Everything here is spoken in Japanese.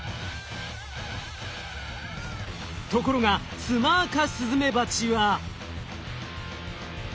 ところがツマアカスズメバチは。